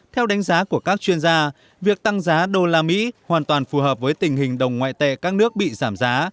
theo đánh giá của các chuyên gia việc tăng giá đô la mỹ hoàn toàn phù hợp với tình hình đồng ngoại tệ các nước bị giảm giá